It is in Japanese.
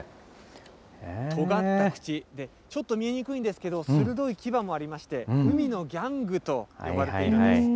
とがった口、ちょっと見えにくいんですけど、鋭い牙もありまして、海のギャングと呼ばれています。